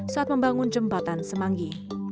saat membangun jembatan semanggi